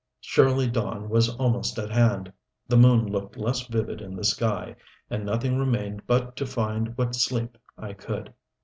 Surely dawn was almost at hand. The moon looked less vivid in the sky. And nothing remained but to find what sleep I could.